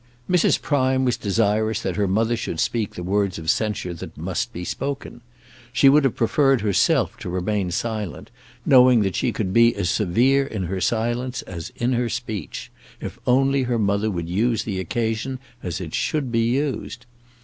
Mrs. Prime was desirous that her mother should speak the words of censure that must be spoken. She would have preferred herself to remain silent, knowing that she could be as severe in her silence as in her speech, if only her mother would use the occasion as it should be used.